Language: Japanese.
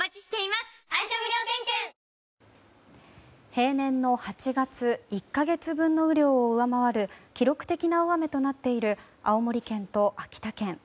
平年の８月１か月分の雨量を上回る記録的な大雨となっている青森県と秋田県。